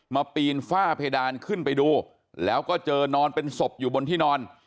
ปีนฝ้าเพดานขึ้นไปดูแล้วก็เจอนอนเป็นศพอยู่บนที่นอน